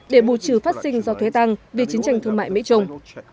để bù trừ phát sinh do thuế tăng vì chiến tranh thương mại mỹ trung